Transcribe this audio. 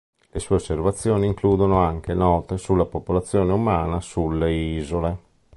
Le sue osservazioni includono anche note sulla popolazione umana sulle isole.